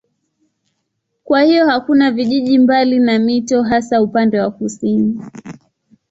Kwa hiyo hakuna vijiji mbali na mito hasa upande wa kusini.